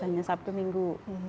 hanya sabtu minggu